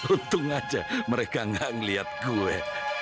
untung saja mereka tidak melihat gue